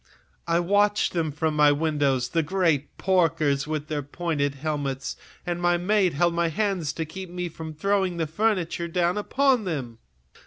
I looked at them from my window—the fat swine, with their pointed helmets!—and my maid held my hands to keep me from throwing my furniture down on them.